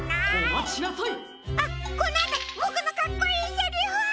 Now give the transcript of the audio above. あっこのあと！ボクのかっこいいセリフ！